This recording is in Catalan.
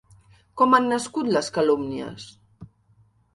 Com han nascut les calúmnies?